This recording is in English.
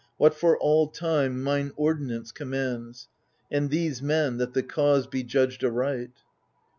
What for all time mine ordinance commands, And these men, that the cause be judged aright.